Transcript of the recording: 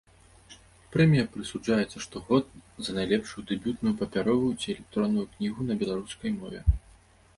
Прэмія прысуджаецца штогод за найлепшую дэбютную папяровую ці электронную кнігу на беларускай мове.